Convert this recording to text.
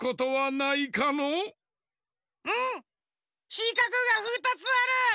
しかくが２つある！